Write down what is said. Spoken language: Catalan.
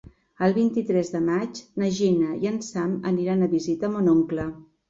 El vint-i-tres de maig na Gina i en Sam aniran a visitar mon oncle.